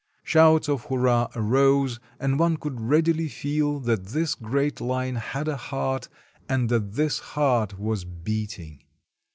Shouts of hurrah arose, and one could readily feel that this great line had a heart and that this heart was beat ing.